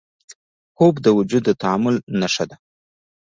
خوب د وجود د تعادل نښه ده